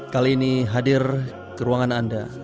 kali ini hadir ke ruangan anda